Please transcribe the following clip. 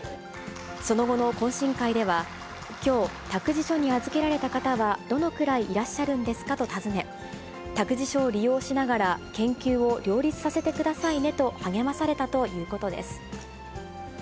その後の懇親会では、きょう託児所に預けられた方はどのくらいいらっしゃるんですかと尋ね、託児所を利用しながら、研究を両立させてくださいねと励まされたということです。